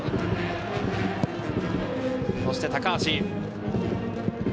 そして高足。